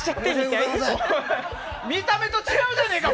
見た目と違うじゃねえか！